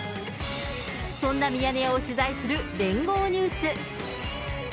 そんなミヤネ屋を取材する聯合ニュース。